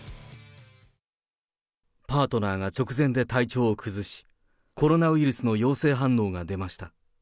パートナーが直前で体調を崩し、コロナウイルスの陽性反応が出ました。